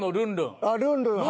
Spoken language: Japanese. あっルンルンはい。